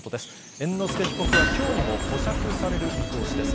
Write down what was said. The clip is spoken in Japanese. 猿之助被告はきょうにも保釈される見通しです。